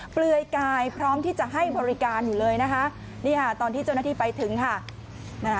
เปลือยกายพร้อมที่จะให้บริการอยู่เลยนะคะนี่ค่ะตอนที่เจ้าหน้าที่ไปถึงค่ะ